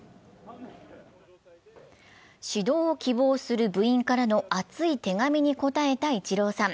指導を希望する部員からの熱い手紙に応えたイチローさん。